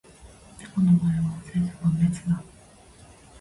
猫の模様は千差万別だ。